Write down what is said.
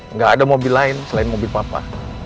nggak ada mobil lain selain mobil papa